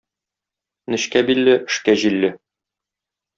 Нечкә билле эшкә җилле.